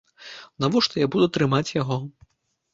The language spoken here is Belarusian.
Навошта я буду трымаць яго?